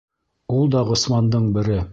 Ул да Ғосмандың бере!